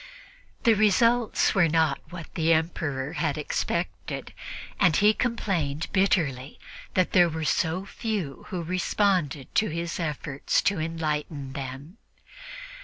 The results were not what the Emperor had expected, and he complained bitterly that there were so few who responded to his efforts to enlighten them.